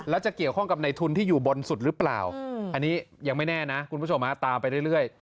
แล้วจะเกี่ยวข้องกับในทุนที่อยู่บนสุดหรือเปล่าอันนี้ยังไม่แน่นะคุณผู้ชมตามไปเรื่อย